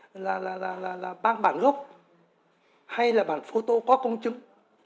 mang bản gốc hay là bản phô tô có công chứng